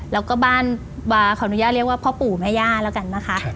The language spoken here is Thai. แล้วก็บ้านขออนุญาตเรียกว่าพ่อปู่แม่ย่าแล้วกันนะคะ